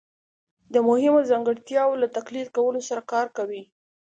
د مهمو ځانګړتیاوو له تقلید کولو سره کار کوي